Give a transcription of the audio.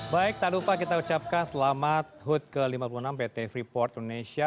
baik tak lupa kita ucapkan selamat hud ke lima puluh enam pt freeport indonesia